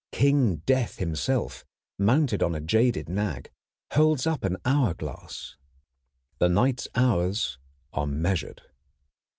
King Death himself, mounted on a jaded nag, holds up an hourglass. The Knight's hours are measured.